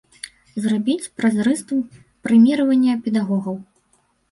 Зрабіць празрыстым прэміраванне педагогаў.